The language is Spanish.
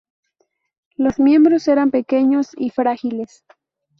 Los miembros eran pequeños y frágiles.